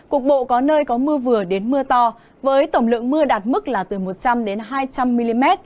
cục bộ có nơi có mưa vừa đến mưa to với tổng lượng mưa đạt mức là từ một trăm linh hai trăm linh mm